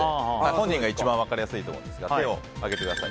本人が一番分かりやすいと思いますが手を上げてください。